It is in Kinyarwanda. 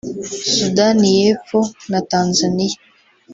Sudani y’epfo na Tanzania